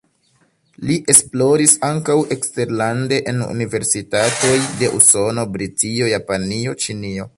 Li esploris ankaŭ eksterlande en universitatoj de Usono, Britio, Japanio, Ĉinio.